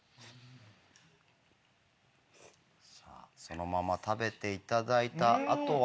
さぁそのまま食べていただいた後は？